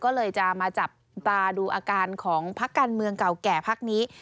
ก็เลยจะมาจับตาดูอาการของพักการเมืองเก่าแก่พักนี้